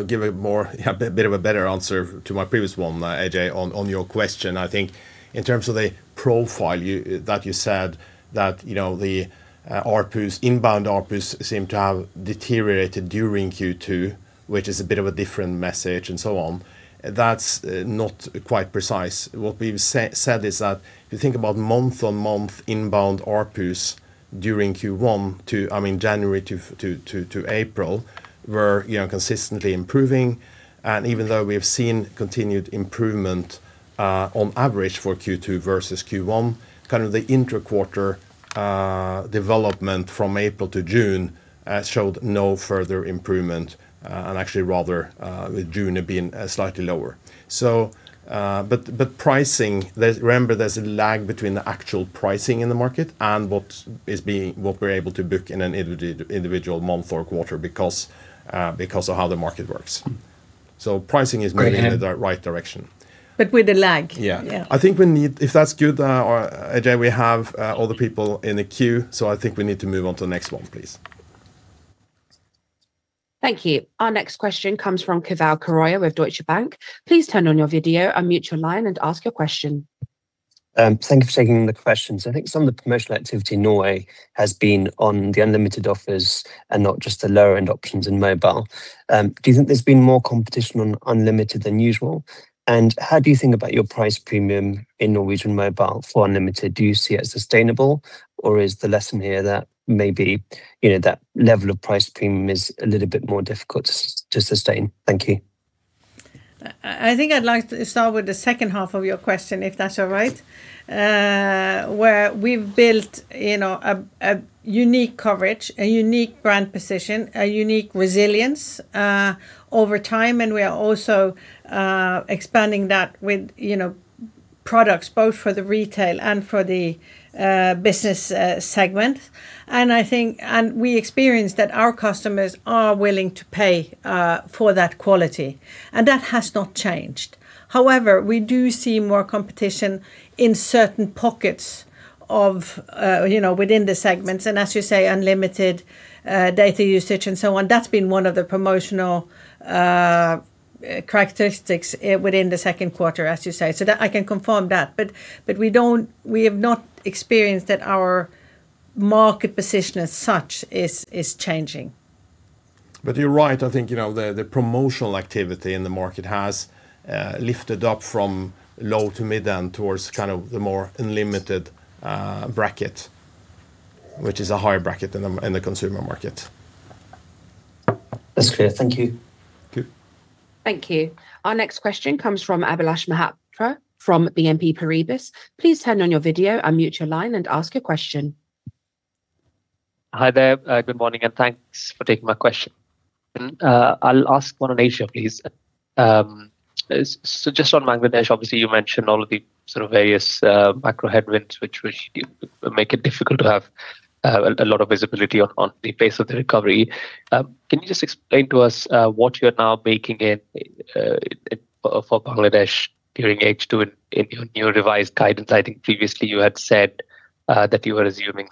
give a bit of a better answer to my previous one, Ajay, on your question, I think in terms of the profile that you said that the inbound ARPUs seem to have deteriorated during Q2, which is a bit of a different message and so on. That's not quite precise. What we've said is that if you think about month-on-month inbound ARPUs during Q1 to, I mean, January to April, were consistently improving. Even though we have seen continued improvement on average for Q2 versus Q1, the inter-quarter development from April to June showed no further improvement and actually rather with June had been slightly lower. Pricing, remember there's a lag between the actual pricing in the market and what we're able to book in an individual month or quarter because of how the market works. Pricing is moving- Go ahead.... in the right direction. With a lag. Yeah. Yeah. I think if that's good, or Ajay, we have other people in the queue, so I think we need to move on to the next one, please. Thank you. Our next question comes from Keval Khiroya, with Deutsche Bank. Please turn on your video, unmute your line and ask your question. Thank you for taking the question. I think some of the promotional activity in Norway has been on the unlimited offers and not just the lower-end options in mobile. Do you think there's been more competition on unlimited than usual? How do you think about your price premium in Norwegian Mobile for unlimited? Do you see it sustainable or is the lesson here that maybe that level of price premium is a little bit more difficult to sustain? Thank you. I think I'd like to start with the second half of your question, if that's all right. Where we've built a unique coverage, a unique brand position, a unique resilience over time, and we are also expanding that with products both for the retail and for the business segment. We experience that our customers are willing to pay for that quality, and that has not changed. However, we do see more competition in certain pockets within the segments, and as you say, unlimited data usage and so on. That's been one of the promotional characteristics within the second quarter, as you say. I can confirm that. We have not experienced that our market position as such is changing. You're right. I think the promotional activity in the market has lifted up from low to mid and towards the more unlimited bracket, which is a higher bracket in the consumer market. That's clear. Thank you. Okay. Thank you. Our next question comes from Abhilash Mohapatra from BNP Paribas. Please turn on your video, unmute your line and ask your question. Hi there. Good morning. Thanks for taking my question. I'll ask one on Asia, please. Just on Bangladesh, obviously you mentioned all of the sort of various macro headwinds, which make it difficult to have a lot of visibility on the pace of the recovery. Can you just explain to us what you're now baking in for Bangladesh during H2 in your new revised guidance? I think previously you had said that you were assuming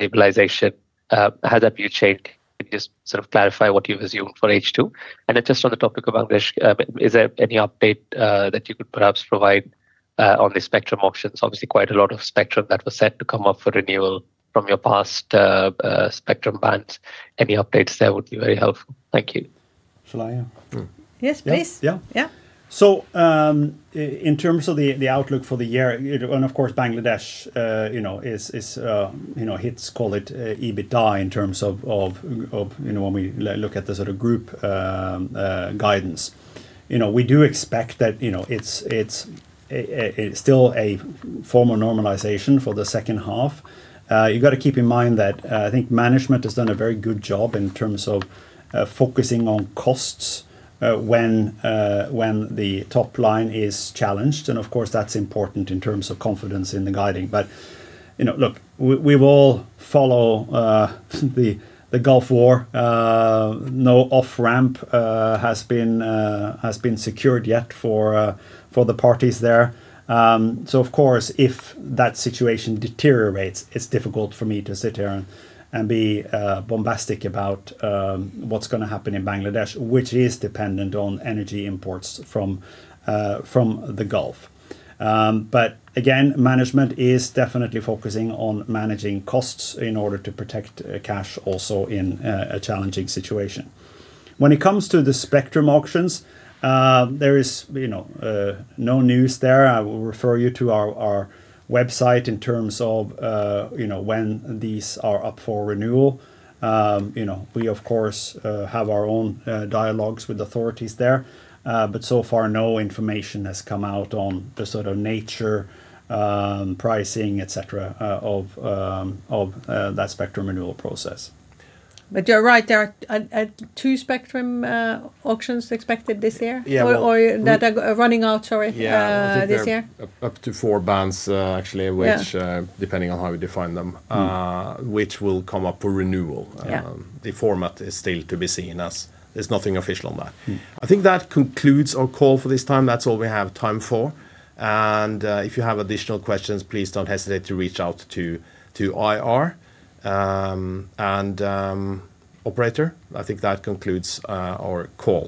stabilization. Has that view changed? Can you just clarify what you've assumed for H2? Just on the topic of Bangladesh, is there any update that you could perhaps provide on the spectrum auctions? Obviously quite a lot of spectrum that was set to come up for renewal from your past spectrum bands. Any updates there would be very helpful. Thank you. Shall I? Yes, please. Yeah. Yeah. In terms of the outlook for the year, of course Bangladesh hits, call it, EBITDA in terms of when we look at the sort of group guidance. We do expect that it’s still a form of normalization for the second half. You’ve got to keep in mind that I think management has done a very good job in terms of focusing on costs when the top line is challenged, and of course that’s important in terms of confidence in the guiding. Look, we’ve all followed the Gulf War. No off-ramp has been secured yet for the parties there. Of course, if that situation deteriorates, it’s difficult for me to sit here and be bombastic about what’s going to happen in Bangladesh, which is dependent on energy imports from the Gulf. Again, management is definitely focusing on managing costs in order to protect cash also in a challenging situation. When it comes to the spectrum auctions, there is no news there. I will refer you to our website in terms of when these are up for renewal. We of course have our own dialogues with authorities there. So far no information has come out on the sort of nature, pricing, etc, of that spectrum renewal process. You're right, there are two spectrum auctions expected this year. Yeah. That are running out, sorry. Yeah. This year. I think there are up to four bands actually- Yeah.... which depending on how we define them which will come up for renewal. Yeah. The format is still to be seen, as there's nothing official on that. I think that concludes our call for this time. That's all we have time for. If you have additional questions, please don't hesitate to reach out to IR. Operator, I think that concludes our call.